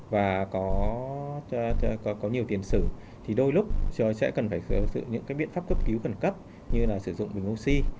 và có nhiều tiền sử thì đôi lúc chúng ta sẽ cần phải sử dụng những cái biện pháp cấp cứu khẩn cấp như là sử dụng bình oxy